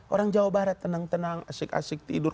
orang jawa barat tenang tenang asyik asyik tidur